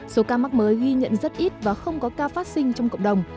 số ca mắc mới ghi nhận rất ít và không có ca phát sinh trong cộng đồng